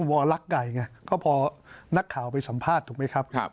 วอลักไก่ไงก็พอนักข่าวไปสัมภาษณ์ถูกไหมครับ